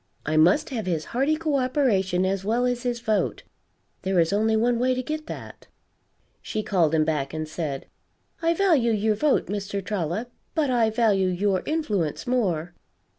I must have his hearty co operation as well as his vote. There is only one way to get that." She called him back, and said: "I value your vote, Mr. Trollop, but I value your influence more.